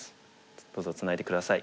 どうぞツナいで下さい。